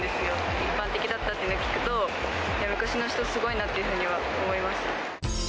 一般的だったっていうの聞くと、昔の人、すごいなっていうふうには思います。